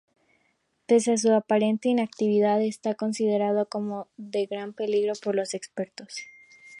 Pese a su aparente inactividad, está considerado como de gran peligro por los expertos.